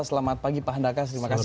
selamat pagi pak handakas terima kasih